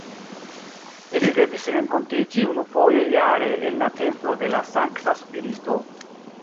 Ili devis renkontiĝi unufoje jare en la "Templo de la Sankta Spirito".